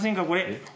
これ。